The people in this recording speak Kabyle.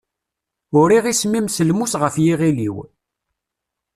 Uriɣ isem-im s lmus ɣef yiɣil-iw.